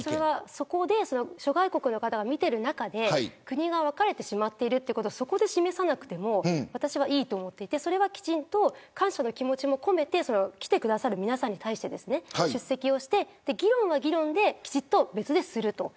そこで諸外国の方が見ている中で国が分かれてしまっていることをそこで示さなくても私は、いいと思っていてきちんと感謝の気持ちを込めて来てくださる皆さまに対して出席をして、議論は議論できちんと別でする。